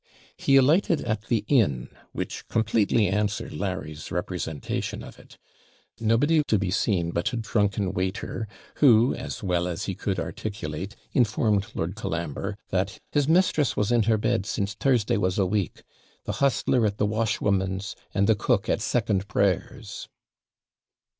He alighted at the inn, which completely answered Larry's representation of it. Nobody to be seen but a drunken waiter, who, as well as he could articulate, informed Lord Colambre that 'his mistress was in her bed since Thursday was a week; the hostler at the WASH WOMAN'S, and the cook at second prayers.'